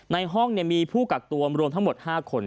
ในห้องมีผู้กักตัวรวมทั้งหมด๕คน